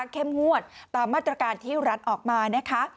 งวดตามมาตรการที่รัฐออกมานะคะ